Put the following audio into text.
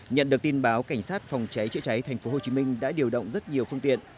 nhận được tin báo cảnh sát phòng cháy chữa cháy tp hcm đã điều động rất nhiều phương tiện